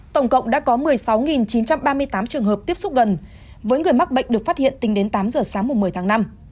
tổng cộng đã có một mươi sáu chín trăm ba mươi tám trường hợp tiếp xúc gần với người mắc bệnh được phát hiện tính đến tám giờ sáng một mươi tháng năm